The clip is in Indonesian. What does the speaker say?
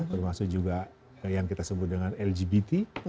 termasuk juga yang kita sebut dengan lgbt